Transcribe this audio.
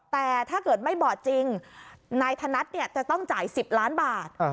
แต่ถ้าเกิดไม่บอดจริงนายธนัดเนี่ยจะต้องจ่าย๑๐ล้านบาท